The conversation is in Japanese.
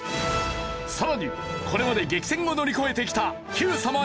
さらにこれまで激戦を乗り越えてきた『Ｑさま！！』